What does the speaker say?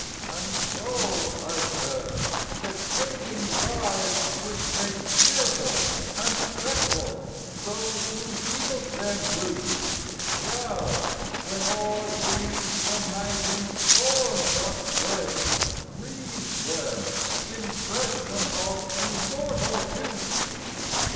And so, I said, the clinging lives which make Yearful and spectral those who yield them ruth, Shall, when o'er these the night in storm doth break, Wreathe them in freshness of immortal youth.